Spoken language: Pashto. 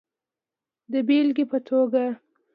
د بیلګی په توکه